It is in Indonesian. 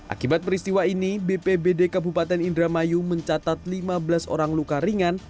akibat peristiwa ini bpbd kabupaten indramayu mencatat lima belas orang luka ringan